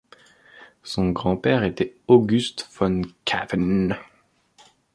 Son grand-père était August von Kaven.